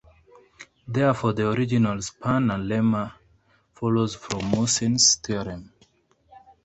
Therefore, the original Sperner lemma follows from Musin's theorem.